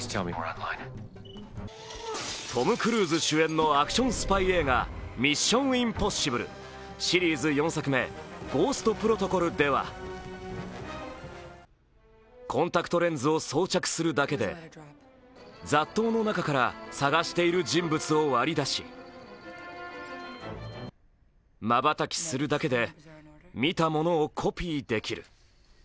トム・クルーズ主演のアクションスパイ映画「ミッション：インポッシブル」シリーズ４作目、「ゴースト・プロトコル」ではコンタクトレンズを装着するだけで雑踏の中から探している人物を割り出し、まばたきするだけで、見たものをコピーできる。